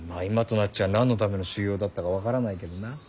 今となっちゃ何のための修行だったか分からないけどな。